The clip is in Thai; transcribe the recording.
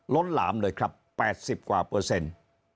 ล้นหลามเลยครับ๘๐กว่าเปอร์เซ็นต์